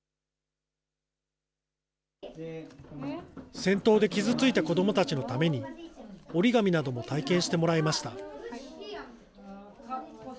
戦闘で傷ついた子どもたちのために、折り紙なども体験してもらいました。